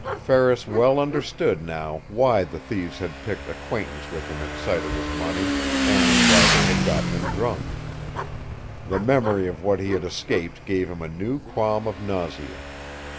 Ferris well understood now why the thieves had picked acquaintance with him at sight of his money, and why they had gotten him drunk. The memory of what he had escaped gave him a new qualm of nausea.